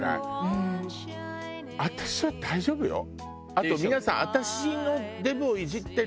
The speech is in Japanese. あと皆さん。